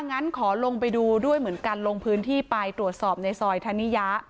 งั้นขอลงไปดูด้วยเหมือนกันลงพื้นที่ไปตรวจสอบในซอยธนิยะ